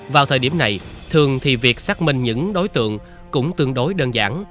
vào thời điểm này thường thì việc xác minh những đối tượng cũng tương đối đơn giản